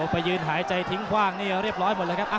ไปยืนหายใจทิ้งคว้างเรียบร้อยหมดละฮะ